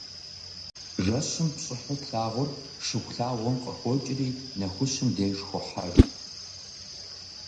Жэщым пщӏыхьу тлъагъухэр Шыхулъагъуэм къыхокӏри, нэхущым деж хохьэж.